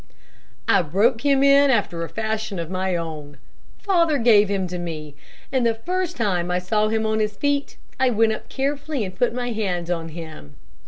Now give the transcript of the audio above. "I broke him in after a fashion of my own. Father gave him to me, and the first time I saw him on his feet, I went up carefully and put my hand on him.